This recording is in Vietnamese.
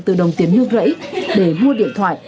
từ đồng tiền nước rẫy để mua điện thoại